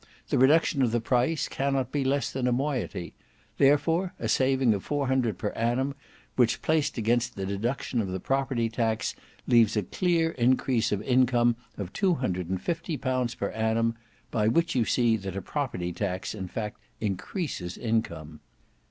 The reduction of price cannot be less than a moiety; therefore a saving of four hundred per annum; which placed against the deduction of the property tax leaves a clear increase of income of two hundred and fifty pounds per annum; by which you see that a property tax in fact increases income."